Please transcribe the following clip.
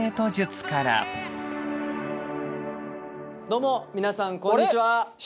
どうも皆さんこんにちは！